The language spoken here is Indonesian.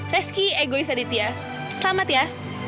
rizky egois aditya selamat ya